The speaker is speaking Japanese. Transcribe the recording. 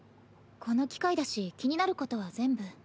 この機会だし気になることは全部。